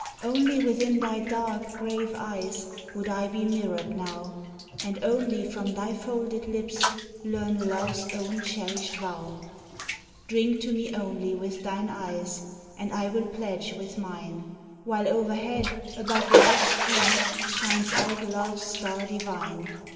Only within thy dark, grave eyes would I be mirrored now, And only from thy folded lips learn love's own cherished vow. "Drink to me only with thine eyes, and I will pledge with mine!" While overhead, above life's stream, shines out love's star divine.